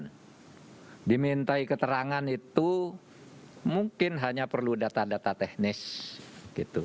nah dimintai keterangan itu mungkin hanya perlu data data teknis gitu